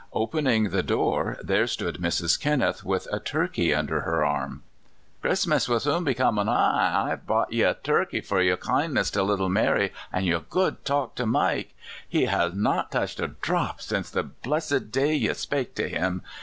Opening the door, there stood Mrs. Kinneth with a turkey under her arm. " Christmas will soon be coming, an' I've brought ye a turkey for your kindness to little Mar}^ an' your good talk to Mike. He has not touched a dhrop since the blissed day ye spake to him.